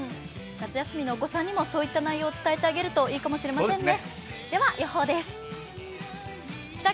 夏休みのお子さんにもそういった内容を伝えてあげるといいかもしれませんね。